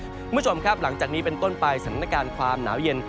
คุณผู้ชมครับหลังจากนี้เป็นต้นไปสถานการณ์ความหนาวเย็น